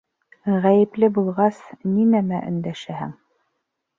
Ғәйепле булғас, ни нәмә өндәшәһең?!